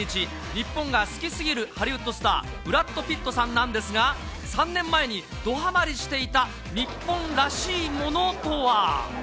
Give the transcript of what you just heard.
日本が好きすぎるハリウッドスター、ブラッド・ピットさんなんですが、３年前に、どはまりしていた日本らしいものとは？